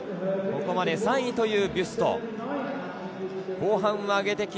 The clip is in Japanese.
ここまで３位というビュスト。